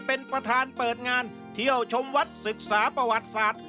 เป็นประธานเปิดงานเที่ยวชมวัดศึกษาประวัติศาสตร์